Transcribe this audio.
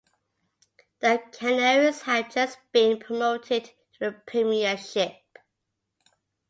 The Canaries had just been promoted to the Premiership.